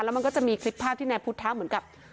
มันก็จะมีคลิปภาพที่นายพุทธะเหมือนกับ